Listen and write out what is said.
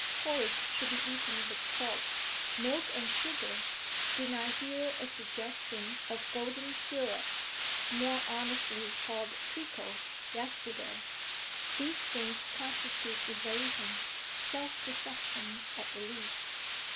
'Porridge should be eaten with salt. Milk and sugar didn't I hear a suggestion of golden syrup, more honestly called treacle, yesterday? These things constitute evasion, self deception at the least.